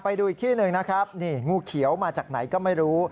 ไปดูอีกที่หนึ่งนะครับนี่งูเขียวมาจากไหนก็ไม่รู้